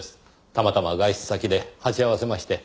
たまたま外出先で鉢合わせまして。